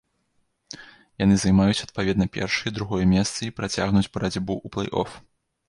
Яны займаюць адпаведна першае і другое месца і працягнуць барацьбу ў плэй-оф.